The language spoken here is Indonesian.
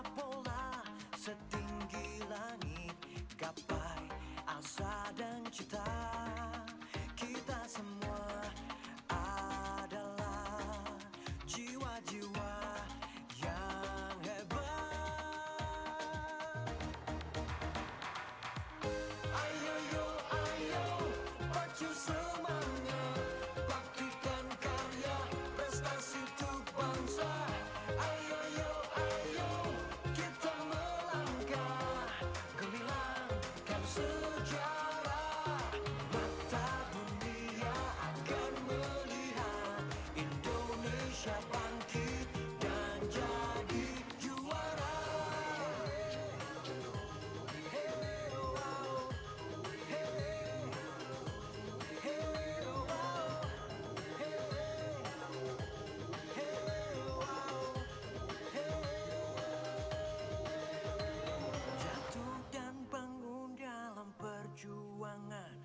pon ke sembilan di kota bandung